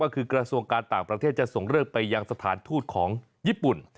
ก็คือกระทรวงการต่างประเทศจะส่งเรื่องไปยังสถานทูตของญี่ปุ่น